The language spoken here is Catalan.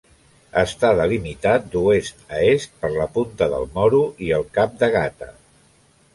Està delimitat d'oest a est per la punta del Moro i el cap de Gata.